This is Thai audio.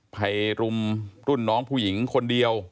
ไปรุมรุ่นน้องผู้หญิงคนเดียว